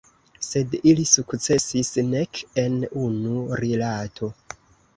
Sed ili sukcesis nek en unu rilato.